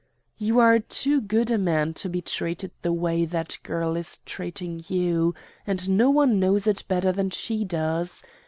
"You are too good a man to be treated the way that girl is treating you, and no one knows it better than she does.